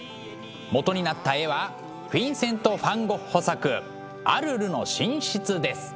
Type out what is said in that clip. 元になった絵はフィンセント・ファン・ゴッホ作「アルルの寝室」です。